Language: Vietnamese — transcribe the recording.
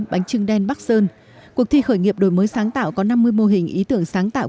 bánh trưng đen bắc sơn cuộc thi khởi nghiệp đổi mới sáng tạo có năm mươi mô hình ý tưởng sáng tạo